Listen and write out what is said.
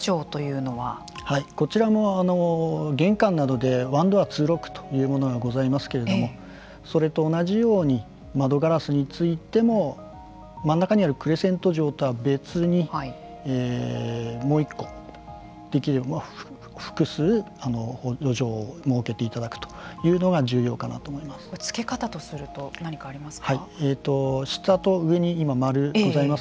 こちらも玄関などでワンドア、ツーロックというものがございますけれどもそれと同じように窓ガラスについても真ん中にあるクレセント錠とは別にもう１個、できれば複数補助錠を設けていただくというのが重要かなと思います。